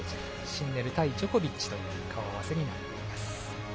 シンネル対ジョコビッチという顔合わせになっています。